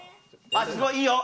あっすごいいいよ！